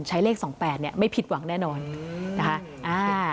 ใช้เลข๒๘เนี่ยไม่ผิดหวังแน่นอนนะคะ